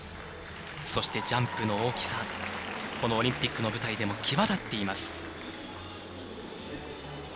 そして、ジャンプの大きさこのオリンピックの舞台でも際立っています。